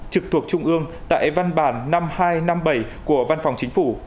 trực thuộc trung ương tại văn bản năm nghìn hai trăm năm mươi bảy của văn phòng chính phủ